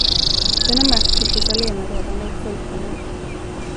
Denna makt tycktes allenarådande och fullkomlig.